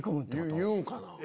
言うんかな？